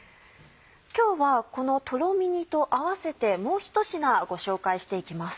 今日はこのとろみ煮と併せてもう一品ご紹介していきます。